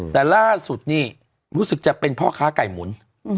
แต่ล่าสุดนี่รู้สึกจะเป็นพ่อค้าไก่หมุน